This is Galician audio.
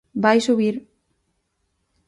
Vai subir.